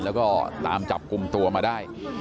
แล้วก็ตามจับกลุ่มตัวมาได้